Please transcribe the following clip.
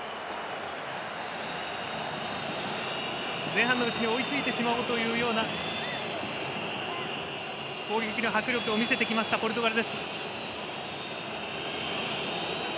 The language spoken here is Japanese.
前半のうちに追いついてしまおうというような攻撃の迫力を見せてきましたポルトガル。